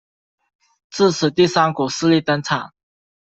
自此第三股势力登场。